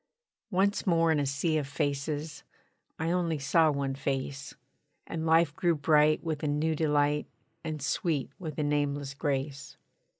Once more in a sea of faces, I only saw one face; And life grew bright with a new delight, And sweet with a nameless grace.